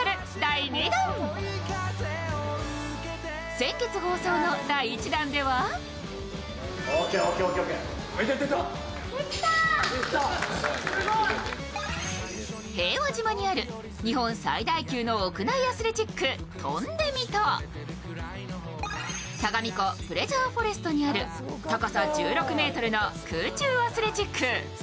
先月放送の第１弾では平和島にある日本最大級の屋内アスレチック、さがみ湖プレジャーフォレストにある高さ１６ｍの空中アスレチック。